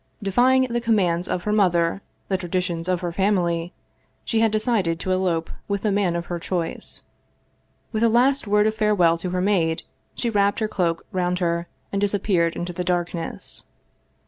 Defying the com mands of her mother, the traditions of her family, she had decided to elope with the man of her choice. With a last word of farewell to her maid, she wrapped her cloak round her and disappeared into the darkness.